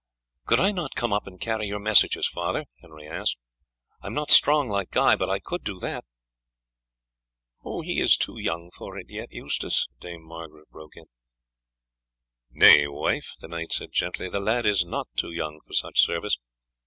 "Could I not come up and carry your messages, father?" Henry asked; "I am not strong like Guy, but I could do that." "He is too young for it yet, Eustace," Dame Margaret broke in. "Nay, wife," the knight said gently, "the lad is not too young for such service.